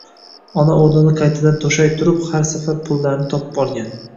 Ona o‘rinni qaytadan to‘shay turib har safar pullarni topib olgan.